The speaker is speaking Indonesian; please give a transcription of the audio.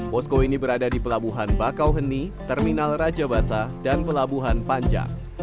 posko ini berada di pelabuhan bakauheni terminal raja basah dan pelabuhan panjang